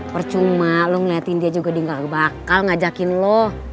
percuma lo ngeliatin dia juga dia gak bakal ngajakin lo